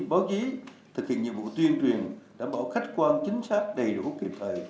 báo chí thực hiện nhiệm vụ tuyên truyền đảm bảo khách quan chính xác đầy đủ kiểm tra